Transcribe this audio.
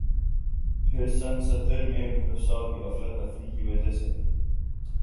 پھر سن ستر میں بھٹو صاھب کی افراتفریح کی وجہ سے